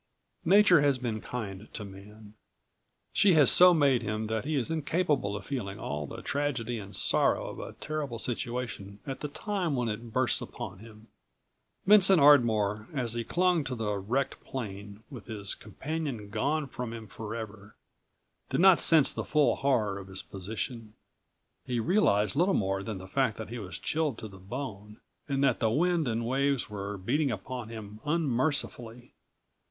Nature has been kind to man. She has so made him that he is incapable of feeling all the tragedy and sorrow of a terrible situation at the time when it bursts upon him. Vincent Ardmore, as he clung to the wrecked plane, with208 his companion gone from him forever, did not sense the full horror of his position. He realized little more than the fact that he was chilled to the bone, and that the wind and waves were beating upon him unmercifully.